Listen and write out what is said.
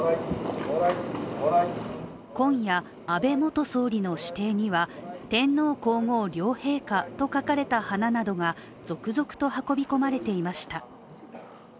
今夜安倍元総理の私邸には天皇・皇后両陛下と書かれた花などが、続々と運び込まれていました。